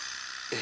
え？